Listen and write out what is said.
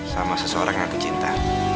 sama seseorang yang aku cinta